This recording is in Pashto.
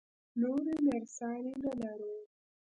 نورې نرسانې نه لرو؟